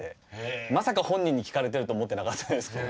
まさか本人に聴かれてると思ってなかったですけど。